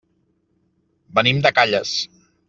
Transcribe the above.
Venim de Calles.